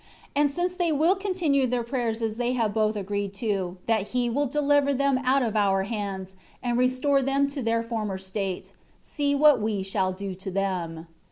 2 And since they will continue their prayers as they have both agreed to do, that He will deliver them out of our hands, and restore them to their former state, see what we shall do to them."